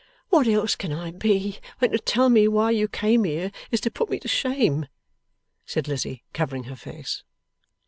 What else can I be, when to tell me why you came here, is to put me to shame!' said Lizzie, covering her face.